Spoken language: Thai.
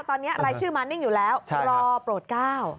ตอนนี้รายชื่อมานิ่งอยู่แล้วรอโปรดก้าว